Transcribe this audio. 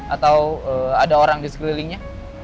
atau ada orang di sekelilingnya